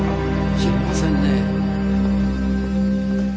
知りませんね。